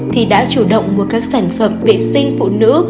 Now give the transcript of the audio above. thì đã chủ động mua các sản phẩm vệ sinh phụ nữ